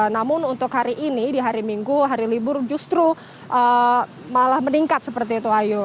namun untuk hari ini di hari minggu hari libur justru malah meningkat seperti itu ayu